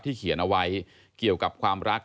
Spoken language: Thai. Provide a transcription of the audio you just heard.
เขียนเอาไว้เกี่ยวกับความรัก